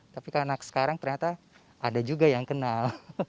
tapi karena sekarang ternyata ada juga yang kenal